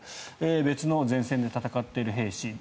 別の前線で戦っている兵士。